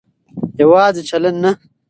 يواځې چلن نه